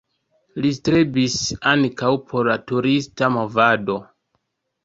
Li strebis ankaŭ por la turista movado.